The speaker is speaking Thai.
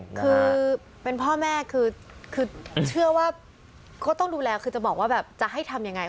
คือเป็นพ่อแม่คือเชื่อว่าก็ต้องดูแลคือจะบอกว่าแบบจะให้ทำยังไง